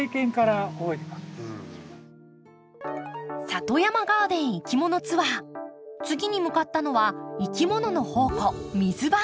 里山ガーデンいきものツアー次に向かったのはいきものの宝庫水場。